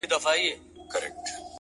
رڼا ترې باسم له څراغه !!